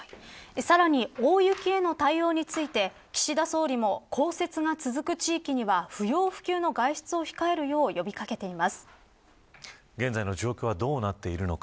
さらに、大雪への対応について岸田総理も降雪が続く地域には不要不急の外出を控えるよう現在の状況はどうなっているのか。